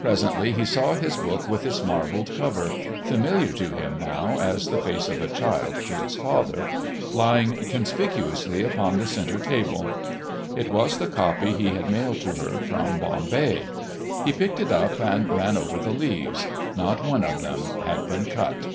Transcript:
Presently he saw his book with its marbled cover—familiar to him now as the face of a child to its father,—lying conspicuously upon the center table. It was the copy he had mailed to her from Bombay. He picked it up and ran over the leaves; not one of them had been cut.